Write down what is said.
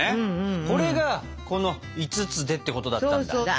これがこの「５つで」ってことだったんだ。